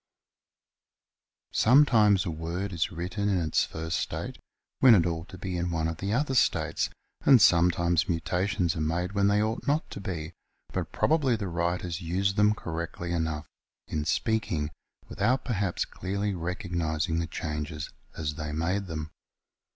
Sometimes a word is written in its first state when it ought to be in one of the other states, and sometimes mutations are made when they ought not to be, but probably the writers used them correctly enough in speaking, without perhaps clearly recognising the changes as they made them.